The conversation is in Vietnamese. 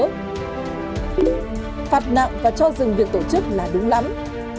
phạt nặng và cho dừng việc tổ chức là đúng lắm